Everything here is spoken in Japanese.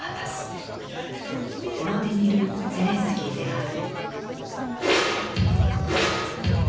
ボロディミル・ゼレンスキーである。